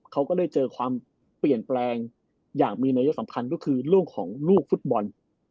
เขาก็ได้เจอความเปลี่ยนแปลงอย่างมีนัยสำคัญก็คือเรื่องของลูกฟุตบอล